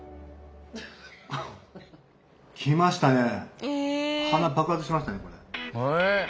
きましたね。